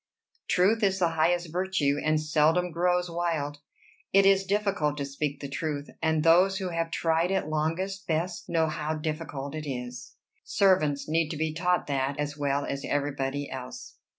Truth is the highest virtue, and seldom grows wild. It is difficult to speak the truth, and those who have tried it longest best know how difficult it is. Servants need to be taught that as well as everybody else."